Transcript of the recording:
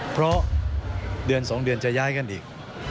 เพราะเดือน๒เดือนจะย้ายกันอีก